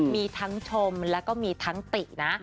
มีทั้งชมแล้วก็มีทั้งตินะ